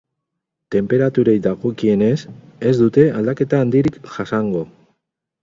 Tenperaturei dagokienez, ez dute aldaketa handirik jasango.